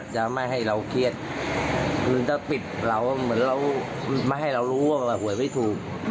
จะไม่ให้เราเครียดมันก็ปิดเราเหมือนเราไม่ให้เรารู้ว่าหวยไม่ถูก